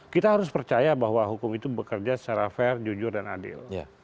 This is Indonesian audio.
kita harus percaya bahwa hukum itu bekerja secara fair jujur dan adil